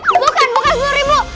bukan bukan rp sepuluh